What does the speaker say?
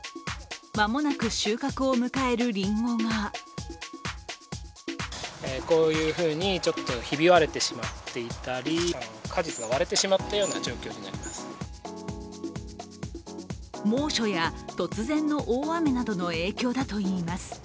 間もなく収穫を迎えるりんごが猛暑や突然の大雨などの影響だといいます。